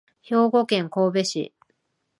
兵庫県神戸市